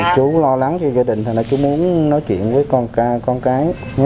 chú lo lắng cho gia đình cho nên chú muốn nói chuyện với con cái